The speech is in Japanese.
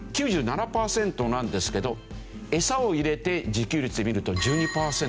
９７パーセントなんですけどエサを入れて自給率で見ると１２パーセントなんです。